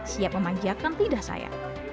siap memanjakan lidah saya